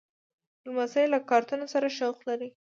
لمسی له کارتون سره شوق لري.